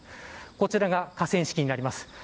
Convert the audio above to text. こちらが河川敷になります。